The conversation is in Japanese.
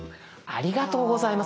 ありがとうございます。